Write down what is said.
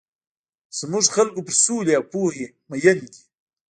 زموږ خلک پر سولي او پوهي مۀين دي.